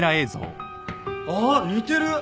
ああ似てる！